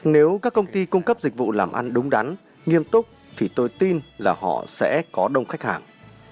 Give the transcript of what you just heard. nếu các công ty cung cấp dịch vụ làm ăn đúng đắn nghiêm túc thì tôi tin là họ sẽ có đông khách hàng